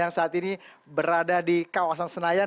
yang saat ini berada di kawasan senayan